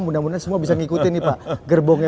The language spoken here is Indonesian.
mudah mudahan semua bisa ngikutin nih pak gerbongnya